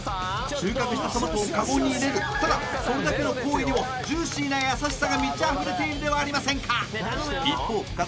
収穫したトマトをカゴに入れるただそれだけの行為にもジューシーな優しさが満ちあふれているではありませんか！